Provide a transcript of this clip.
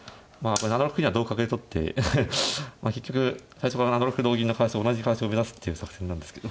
７六歩には同角で取って結局最初から７六歩同銀の形と同じ形を目指すっていう作戦なんですけど。